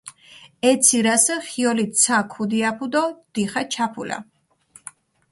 ე ცირასჷ ხიოლით ცა ქუდი აფუ დო დიხა ჩაფულა.